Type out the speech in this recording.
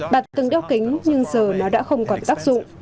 bạn từng đeo kính nhưng giờ nó đã không còn tác dụng